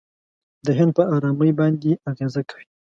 د هند پر آرامۍ باندې اغېزه کوي.